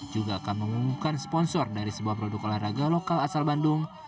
juga akan mengumumkan sponsor dari sebuah produk olahraga lokal asal bandung